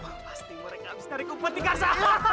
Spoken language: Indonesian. pasti mereka bisa